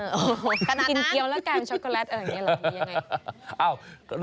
กินเคี้ยวแล้วกลายเป็นช็อกโกแลตอะไรอย่างนี้หรอ